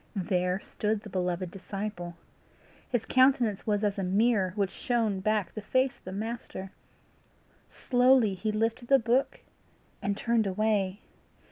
There stood the beloved disciple! His countenance was as a mirror which shone back the face of the Master. Slowly he lifted the book, and turned away.